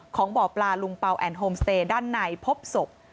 ของบ่อปลาลุงเปล่าแอนดโฮมสเตย์ด้านในพบศพ